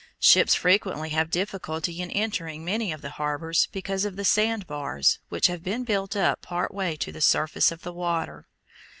Ships frequently have difficulty in entering many of the harbors because of the sand bars which have been built up part way to the surface of the water.